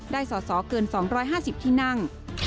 สอสอเกิน๒๕๐ที่นั่ง